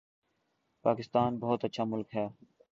پاکستان بہت اچھا ملک ہے